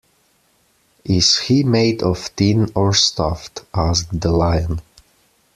Is he made of tin, or stuffed? asked the Lion.